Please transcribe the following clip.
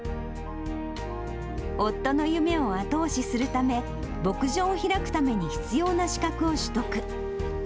夫の夢を後押しするため、牧場を開くために必要な資格を取得。